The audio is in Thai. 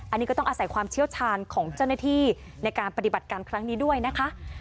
อันนี้ก็ต้องอาศัยความเชี่ยวชาญของเจ้าหน้าที่ในการปฏิบัติการครั้งนี้ด้วยนะคะ